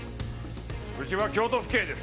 ウチは京都府警です。